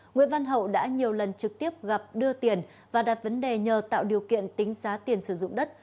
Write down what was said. nguyễn văn hậu đã nhiều lần trực tiếp gặp đưa tiền và đặt vấn đề nhờ tạo điều kiện tính giá tiền sử dụng đất